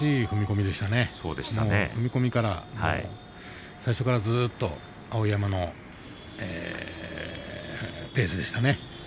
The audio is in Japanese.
踏み込みから最初からずっと碧山のペースでしたね。